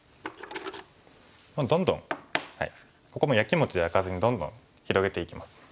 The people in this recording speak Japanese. どんどんここもやきもち焼かずにどんどん広げていきます。